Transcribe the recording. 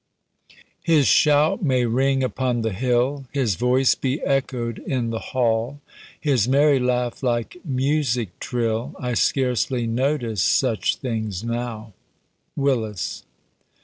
His shout may ring upon the hill, His voice be echoed in the hall, His merry laugh like music trill, I scarcely notice such things now. Willis.